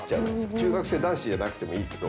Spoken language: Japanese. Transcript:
中学生男子じゃなくてもいいけど。